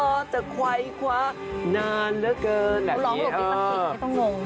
ต้องร้องหลบบิ๊กว่างทีจะต้องงง